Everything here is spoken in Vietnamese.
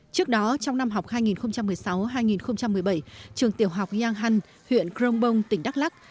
trước đó trong năm học hai nghìn một mươi sáu hai nghìn một mươi bảy trường tiểu học giang hăn huyện crong bông tỉnh đắk lắc